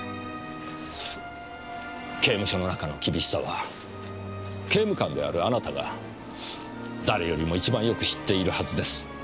刑務所の中の厳しさは刑務官であるあなたが誰よりも一番よく知っているはずです。